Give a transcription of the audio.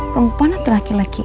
perempuan atau laki laki